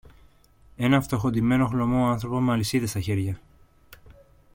ένα φτωχοντυμένο χλωμό άνθρωπο με αλυσίδες στα χέρια.